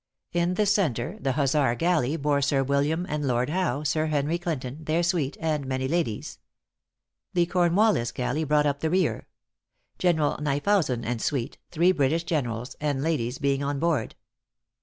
In the centre, the Hussar galley bore Sir William and Lord Howe, Sir Henry Clinton, their suite, and many ladies. The Cornwallis galley brought up the rear General Knyphausen and suite, three British generals, and ladies, being on board.